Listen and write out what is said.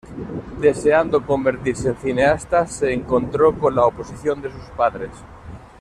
Deseando convertirse en cineasta, se encontró con la oposición de sus padres.